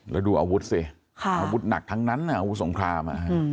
แล้วดูอาวุธสิอาวุธหนักทั้งนั้นอาวุธสงคราม